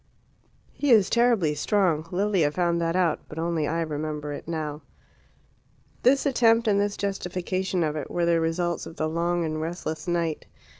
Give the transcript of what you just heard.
He is terribly strong; Lilia found that out, but only I remember it now." This attempt, and this justification of it, were the results of the long and restless night.